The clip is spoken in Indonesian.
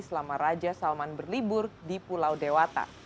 selama raja salman berlibur di pulau dewata